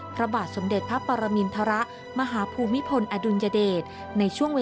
พระบาทสมเด็จพระปรมินทรมาฮภูมิพลอดุลยเดช